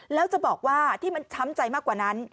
แล้วจะบอกว่าที่มันช้ำใจมากกว่านั้น